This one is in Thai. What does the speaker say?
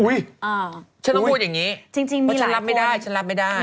อุ๊ยฉันต้องพูดอย่างนี้ก็ฉันรับไม่ได้ไม่ได้